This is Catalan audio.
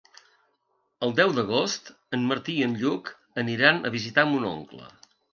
El deu d'agost en Martí i en Lluc aniran a visitar mon oncle.